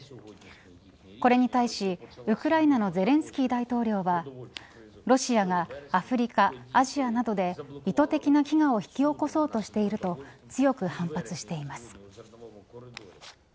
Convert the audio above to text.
これに対し、ウクライナのゼレンスキー大統領はロシアがアフリカ、アジアなどで意図的な飢餓を引き起こそうとしていると強く反発しています。